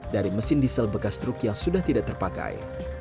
dari mesin diesel bekas truk yang sudah tidak terpakai